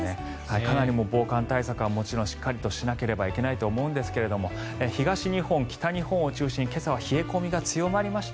かなり防寒対策はもちろんしっかりとしなければいけないと思うんですが東日本、北日本を中心に今朝は冷え込みが強まりました。